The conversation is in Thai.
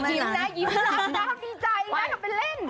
จริงแน่ยิ้มรักนะเขามีใจนะเขาเป็นเล่น